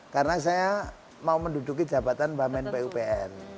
karena saya mau menduduki jabatan momen pupr